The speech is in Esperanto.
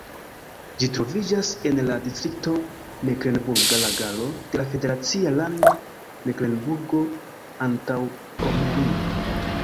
Ĝi troviĝas en la distrikto Meklenburga Lagaro de la federacia lando Meklenburgo-Antaŭpomerio.